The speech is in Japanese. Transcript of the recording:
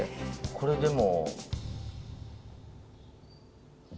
これでも。